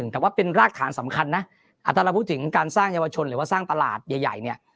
แต่ว่าเป็นรากฐานสำคัญนะถ้าเราพูดถึงการสร้างเยาวชนหรือว่าสร้างตลาดใหญ่เนี่ย